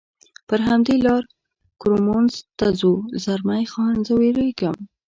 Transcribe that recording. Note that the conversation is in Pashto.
پر همدې لار کورمونز ته ځو، زلمی خان: زه وېرېږم.